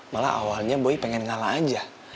malah awalnya boy pengen ngalah aja